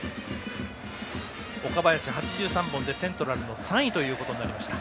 岡林８３本でセントラルの３位ということになりました。